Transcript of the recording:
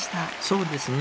そうですね。